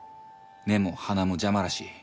目も鼻も邪魔らしい。